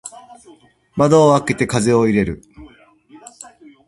窓を開けて風を入れる。